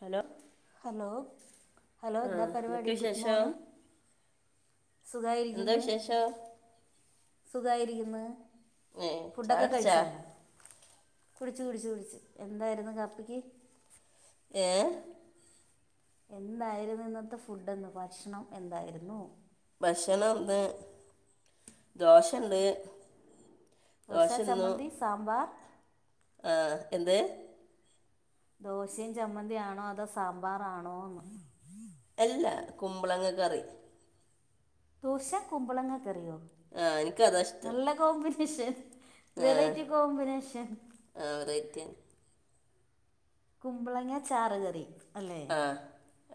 Hello hello hello ആ എന്താ പരിപാടി എന്തൊക്കെ ഗുഡ് വിശേഷം മോർണിംഗ് എന്താ സുഖായിരിക്കുന്നു വിശേഷം സുഖമായിരിക്കുന്നു ഏ ചായ ഫുഡൊക്കെ കുടിച്ചാ കഴിച്ചാ കുടിച്ചു കുടിച്ചു കുടിച്ചു എന്തായിരുന്നു കാപ്പിക്ക് ഏ എന്തായിരുന്നു ഇന്നത്തെ ഫുഡ്ന്ന് ഭക്ഷണം എന്തായിരുന്നു ഭക്ഷണം ന്ന് ദോശണ്ട് [unintelligible] ചമ്മന്തി, സാമ്പാർ ആ എന്ത് ദോശയും ചമ്മന്തിയാണോ അതോ സാമ്പാറാണോന്ന് അല്ല കുമ്പളങ്ങ കറി ദൂശ കുമ്പളങ്ങ കറിയോ ആ എനിക്ക് അതാ ഇഷ്ടം. നല്ല [unintelligible] ആ വെറൈറ്റി കോമ്പിനേഷൻ ആ വെറൈറ്റിയാണ് കുമ്പളങ്ങ ചാറുകറി ആ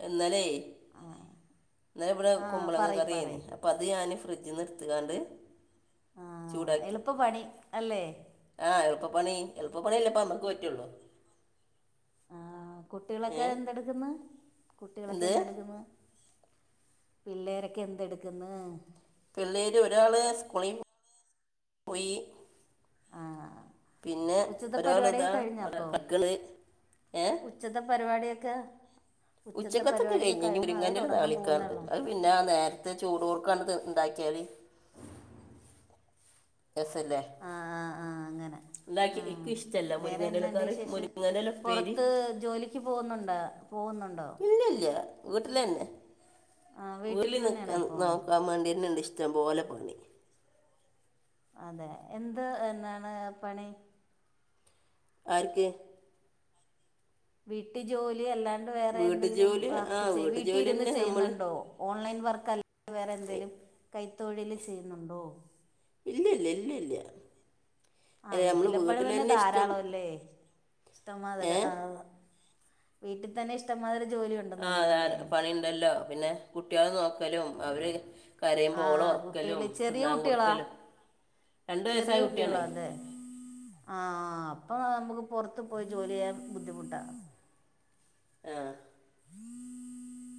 എന്നാലേ ആ ഇന്നലെ ഇവിടെ ആ കുമ്പളങ്ങ പറയ് കറിയാന്നു പറയ് അപ്പ അത് ഞാന് ഫ്രിഡ്ജിൽ നിന്ന് എടുത്തുകാണ്ട് ആ ചൂടാക്കി എളുപ്പപ്പണി അല്ലേ ആ എളുപ്പ പണി എളുപ്പ പണില്ലേ അപ്പ അമക്ക് പറ്റുള്ളൂ. ആ ഏ കുട്ടികളൊക്കെ എന്തെടുക്കുന്നു കുട്ടികളൊക്കെ എന്ത് എന്തെടുക്കുന്നു പിള്ളേരൊക്കെ എന്ത് എടുക്ക്ന്ന് പിള്ളേര് ഒരാള് സ്കൂളിൽ പോയി ആ പിന്നെ ഉച്ചത്തെ പരിപാടിക്കെ ഒരാളിതാ അവിടെ കഴിഞ്ഞപ്പൊ കളിക്കണ് ഏ ഉച്ചത്തെ പരിപാടിക്- ക ഉച്ചക്കത്തൊക്കെ കഴിഞ്ഞു [unintelligible] പോകുന്നേ നാളിക്കാണ്ട് ഉള്ളോ അത് പിന്നെ നേരത്തെ ചൂടോ [unintelligible] [unintelligible] രസല്ലേ ആ ആ ആ അങ്ങനെ ഉണ്ടാക്കി ആ എനിക്ക് ഇഷ്ടമല്ല വേറെ മുരിങ്ങൻ്റെ എന്താണ്ട് കറി വിശേഷം മുരിങ്ങൻ്റെ ഉപ്പേരി പുറത്ത് ജോലിക്ക് പോകുന്നുണ്ടാ പോകുന്നുണ്ടോ ല്ല വീട്ടില് തന്നെ ആ വീട്ടിൽ വീട്ടില് നിക് തന്നെയാണോ ഇപ്പോൾ നോക്കാൻ വേണ്ടിട്ടണ്ട് ഇഷ്ട ട്ടം പോലെ പണി അതെ എന്ത് എന്നാണ് പണി ആർക്ക് വീട്ടു ജോലി എല്ലാം വേറെ വീട്ടു എന്തെങ്കിലും ജോലി ആ വർക്ക് വീട്ടു വീട്ടിൽ ജോലി ഇരുന്ന് തന്നെ നമ്മൾ ചെയ്യുന്നുണ്ടോ ഓൺലൈൻ വർക്ക് അല് അ വേറെന്തേലിലും കൈത്തൊഴില് ചെയ്യുന്നുണ്ടോ ഇല്ല ഇല്ല ഇല്ല ഇല്ല ആ നമ്മൾ വീട്ടിലെപ്പണി വീട്ടിൽ തന്നെ ഇഷ്ടം ധാരാളല്ലേ ഇഷ്ടം മാതര ഏ ആ വീട്ടിൽ തന്നെ ഇഷ്ടം മാതിരി ആ അതെ പണിയുണ്ടല്ലോ പിന്നെ കുട്ടികളെ നോക്കലും അവര് ആ കരയുമ്പം ഓളെ കുട്ടികൾ ഉറക്കലും ചെറിയ തിന്നാൻ കുട്ടികളാ കൊടുക്കലും രണ്ട് വയസ്സായ ചെറിയ കുട്ടിയാണേ കുട്ടികളാല്ലേ ആ അപ്പൊ നമുക്ക് പുറത്ത് പോയി ജോലി ചെയ്യാൻ ബുദ്ധിമുട്ടാണ് ആ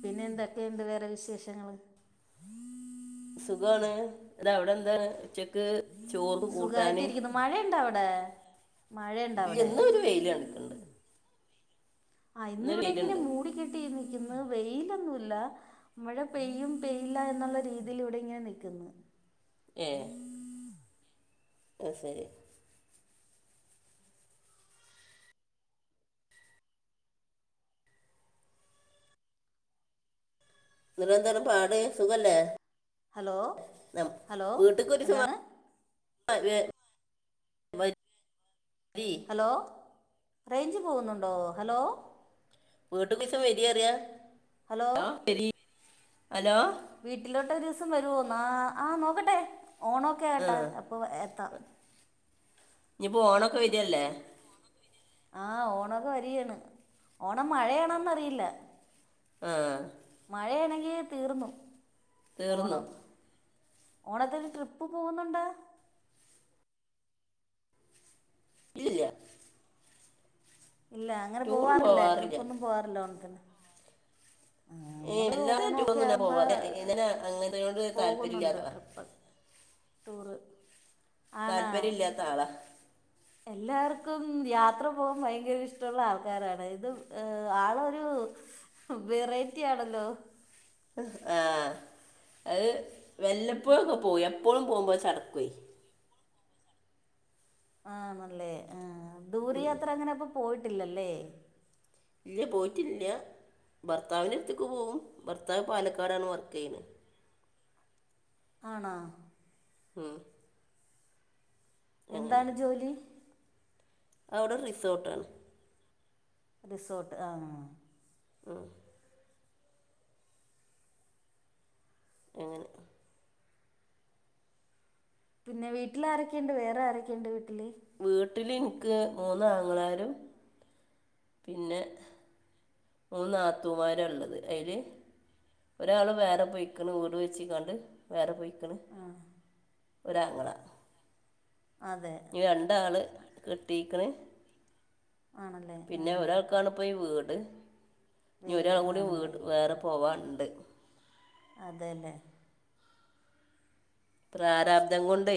പിന്നെ എന്തൊക്കെ ഇണ്ട് വേറെ വിശേഷങ്ങള് സുഖവാണ് അതവിടെന്താണ് ഉച്ചക്ക് ചോറ് കൂട്ടാൻ ഇല്ല സുഖായ്ട്ടിരിക്കുന്നു മഴയ്ണ്ടവിടെ മഴയ്ണ്ടവിടെ ഇന്നൊരു വെയിൽ കണ്ടിട്ടുണ്ട് ആ ഇന്നൊരു ഇന്നിവിടെ ഇങ്ങനെ വെയിലുണ്ട് മൂടി കെട്ടി നിക് ക്കുന്ന് ഇന്ന് വെയ്ലൊന്നുമില്ല മഴ പെയ്യും പെയ്യില്ല എന്നൊള്ള രീതില് ഇവിടിങ്ങനെ നിക്ക്ന്ന് ഏ അ സെരി നിറന്തരം പാടെ സുഖല്ലേ ഹലോ നം ഹലോ വീട്ട്കൊരുസം വാ എന്താണ് [unintelligible] ഹലോ റേഞ്ച് പോകുന്നുണ്ടോ ഹലോ വീട്ട്കൊസം വെരിയറിയാ [unintelligible] അലോ വീട്ടിലോട്ടൊരുദുസം വരുവോ ന്നാ ആ നോക്കട്ടെ ഓണൊക്കെ ആ ആകട്ടെ അപ്പൊ എത്താം കൊയ്തയല്ലേ ആ ഓണൊക്കെ വരിയാണ് ഓണം മഴയാണോന്ന്റിയില്ല ആ യ്യെ തീറ്ന്നു തീർന്നു ഓണത്തിന് ട്രിപ്പ് പോകുന്നുണ്ട ഇല്ലില്ല ഇല്ല അങ്ങനെ പോവാറില്ല ട്രിപ്പൊന്നും പോവാറില്ല ഓണ്ത്തിന് ആ ഏ നമ്മള് വല്ലാതെ ഓണൊക്കെ ടൂറൊന്നും ഞാൻ ആവ്ബേ പോവാറില്ല ഞാൻ അങ്ങനത്തെയോട് പോകുന്നുണ്ട് താല്പര്യമില്ലാത്ത ആളാ ട്രിപ്പ് ടൂറ് താല്പര്യ ഇല്ലാത്ത ആളാ എല്ലാർക്കും യാത്ര പോം ഭയ്ങ്കരിഷ്ടൊള്ള ആൾക്കാരാണ് ഇത് ഏ ആളൊരു ളൊരു വെറൈറ്റി ആണല്ലോ ആ ആ വെല്ലപ്പോഴൊക്കെ പോവു എപ്പോഴും പോബഴ ചടക്ക്വെ ആണല്ലേ ആ ദൂരയാത്ര അങ്ങനപ്പൊ പോയ്ട്ടില്ലല്ലേ ഇല്ല പോയ്റ്റില്ല ഭർത്താവിനടുത്തക്ക് പോവും ഭർത്താവ് പാലക്കാടാണ് വർക്കെയ്നെ ആണോ ഉം അങ്ങനെ എന്താണ് ജോലി അവിടെ റിസോർട്ടാണ് റിസോർട്ട് ആ ഉം അങ്ങനെ പിന്നെ വീട്ടിലാരെക്കെയ്ണ്ട് വേറെ ആരൊക്കെയുണ്ട് വീട്ടിൽ വീട്ടില് എനിക്ക് മൂന്നാങ്ങളാരും പിന്നെ മൂന്ന് നാത്തുമാരള്ളത് അയിൽ ഒരാൾ വേറെ പൊയ്ക്ക്ണ് വീട് വെച്ചികണ്ട് വേറെ പൊയ് ക്കണ് ആ ഒരാങ്ങള അതെ രണ്ടാള് കെട്ടീക്ക്ണ് ആണല്ലേ ആ പിന്നെ ഒരാക്കാണിപ്പോ ഈ വീട് ഇനി വീട് ഒരാവും കൂടി ആണല്ലേ വീട് വേറെ പോവാന്ണ്ട് അതന്നെ പ്രാരാബ്ദം കൊണ്ടെ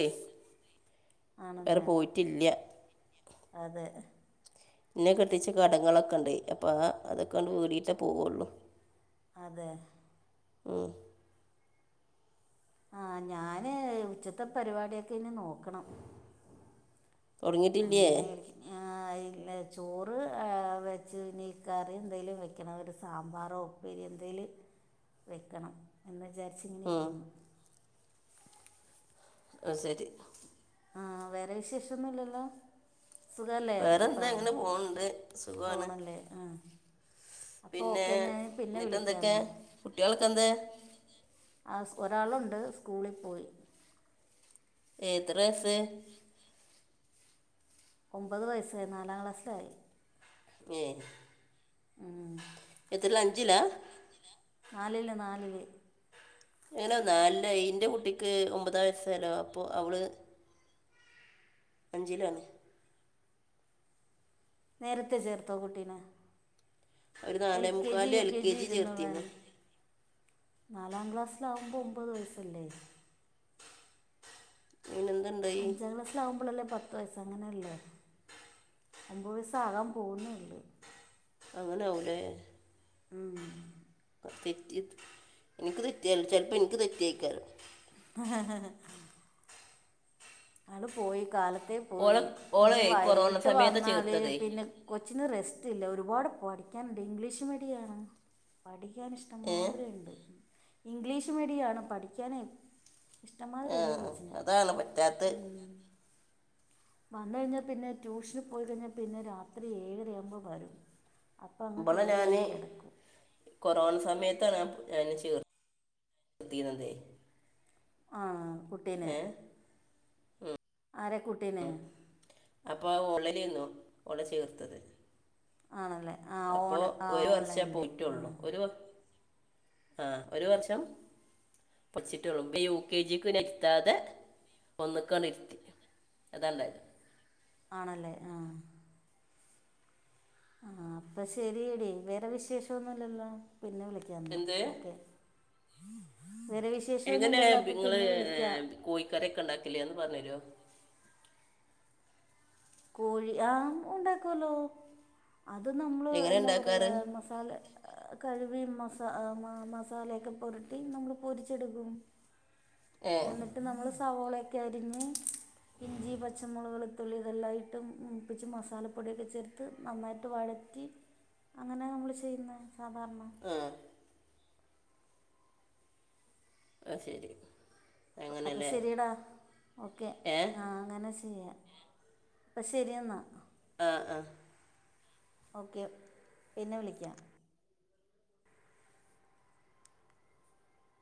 ആണല്ലേ അതെ നിന്നെ കെട്ടിച്ച് കടങ്ങളൊക്കൊണ്ട് അപ്പ അതൊക്കണ്ട് വീടിട്ടേ പോവൊള്ളു അതെ മ് ആ ഞാന് ഉച്ചത്തെപരിപാടിയൊക്കെഞ് നോക്കണം തുടങ്ങിട്ടില്ലിയേ? ആഹ് ആയി ചോറ് എ വെച്ച് ഇനി കറിന്തെങ്കിലും വെക്കണം ഒരു സാമ്പാറൊ ഉപ്പേരി എന്തേങ്കിലും വെക്കണം ന്ന് ഉം. വിചാരിച്ച്ങ്ങനെരിക്കുന്നു അ ശരി ആഹ് വേറെ വിശേഷൊന്നും ഇല്ലല്ലോ? സുഖല്ലേ വേറെ ഇപ്പ എന്താ അങ്ങനെ പോകുന്നുണ്ട് സുഖമാണ് പോണല്ലേ ആ അപ്പൊ പിന്നെ ഒക്കെ ഞാൻ എന്നിട്ട് എന്തൊക്കെ പിന്നെവിളിക്ക്യാന്ന കുട്ടികൾക്ക് എന്താ ആസ് ഒരാളുണ്ട് സ്കൂളി പോയി എത്ര വയസ്സ് ഒമ്പത് വയസ്സ് നാലാം ക്ലാസ്സിലായി ഏ ഉം എത്രില്ല അഞ്ചിലാ? നാലില് നാലില്. എങ്ങനെ നാലിലായെ ഇന്റെ കുട്ടിക്ക് ഒമ്പത് വയസായാലോ അപ്പൊ അവൾ അഞ്ചിലാണ്. നേരത്തെ ചേർത്തോകുട്ടീനെ? അവർ എൽ നാലേ കെ ജി, മുക്കാല് യു എൽ കെ ജി ഇരുന്നുവേൻ ചേർത്തിരുന്നു നാലാം ക്ലാസ്സിലാവുമ്പോ ഒമ്പത് വയസ്സല്ലേ? ഇവനെന്തുണ്ടായി അഞ്ചാം ക്ലാസ്സിലാവുമ്പൊളല്ലേ പത്തുവയസ്സ്ങ്ങനെയല്ലേ ഒമ്പത് വയസ്സാകാൻ പോകുന്നള്ളെ. അങ്ങനെ ആവും ലെ? ഉം തെറ്റി എനിക്ക് തെറ്റിയാൽ ചിലപ്പോ എനിക്ക് തെറ്റിയിക്കാരം അഹ്ഹ് ഹ ആണ് പോയി കാലത്ത് അതേ ഓളെ പോയി ഓളെ ഇന്ന് കൊറോണ വൈകിട്ട് സമയത്ത് വന്നാല് ചേർത്തതേ പിന്നെ കൊച്ചിന് റസ്റ്റ്‌ റ്റില്ല ഒരുപാട് പഠിക്കാനുണ്ട് ഇംഗ്ലീഷ്മീഡിയാണ് ഏ പഠിക്കാനിഷ്ടംമാതിരിണ്ട് ഇംഗ്ലീഷ്മീഡിയാണ് പഠിക്കാനെ ഇഷ്ടംമാതിരിയുണ്ട് കൊച്ചിന് പത്ത് വന്നു കഴിഞ്ഞാപിന്നെ ട്യൂഷന്പോയി കഴിഞ്ഞാപിന്നെ രാത്രി ഏഴരയാകുമ്പോവരും അപ്പൊങ്ങ് ഇവളെ ഞാൻ കെറിയങ്ങ് കിടക്കും കൊറോണ സമയത്താണ് [unintelligible] ത്തിനത്തെ ആഹ് കുട്ടീന ആരെകുട്ടീനെ? അപ്പോ ആ ഓൺലൈനു ഓളെചേർത്തത് ആണല്ലേ. ആ അപ്പൊ ഓണ് ആ ഒരു ഓൺലൈനിൽ ആ വർഷേപോയിട്ടള്ളു ഒരു ആഹ് ഒരുവർഷം? [unintelligible] ഇപ്പൊ യു കെ ജി ക്ക് വനെരിത്താതെ ഒന്ന്ക്കണര്ത്തി അതാണ്ടായത് ആണല്ലേ ആഹ് ആഹ് അപ്പൊശെരിയടി വേറെ വിശേഷോന്നുല്ലല്ലോ? പിന്നെ വിളിക്ക്യംന്നാ എന്ത് ഓക്കേ എങ്ങനെ അപ്പം നിങ്ങള് പിന്നെ വിളിക്കാം കോഴിക്കറിയൊക്കെണ്ടാക്കില്ലേന്ന് പറഞ്ഞ രോ കോഴി ആ ഉണ്ടാകോലോ അത് നമ്മള് എങ്ങനെ എന്താ പറയ ഉണ്ടാക്കാറ് മസാല കഴുകി മസ മസാലയൊക്കെ പൊരട്ടി നമ്മള് പൊരിച്ചെടുക്കും ഏ എന്നിട്ട് നമ്മള് സവോളയൊക്കെ അരിഞ്ഞ് ഇഞ്ചി, പച്ചമുളക്, വെളുത്തുള്ളി ഇതെല്ലാം ഇ ട്ട് മൂപ്പിച്ച് മസാലപൊടിയൊക്ക ചേർത്ത് നന്നായിട്ട് വഴറ്റി അങ്ങനെ നമ്മള് ചെയ്യുന്നെ സാധാരണ ആ അത് ശരി അപ്പൊ അങ്ങനല്ലേ ശരിടാ ഓക്കെ ഏ ആ അങ്ങനെ ചെയ്യാം അപ്പൊ ശരിയെന്നാ ആഹ് ആഹ് ഓക്കെ പിന്നെ വിളിക്കാം